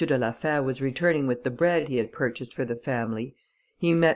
de la Fère was returning with the bread he had purchased for the family, he met M.